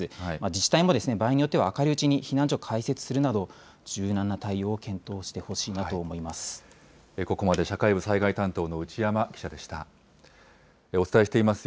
自治体も場合によっては明るいうちに避難所を開設するなど柔軟な対応を検討してほしいと思います。